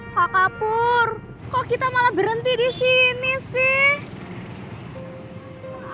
kakak pur kok kita malah berhenti di sini sih